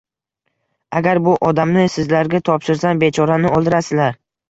Agar bu odamni sizlarga topshirsam, bechorani o’ldirasizlar.